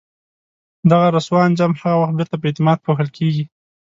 دغه رسوا انجام هغه وخت بیرته په اعتماد پوښل کېږي.